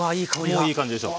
もういい感じでしょ。